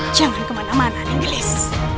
jangan kemana mana nih glees